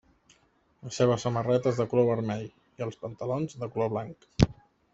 La seva samarreta és de color vermell i els pantalons de color blanc.